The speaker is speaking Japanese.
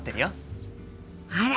あら！